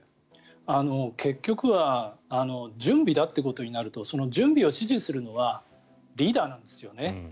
結局は準備だということになると準備を指示するのはリーダーなんですよね。